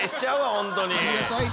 本当に。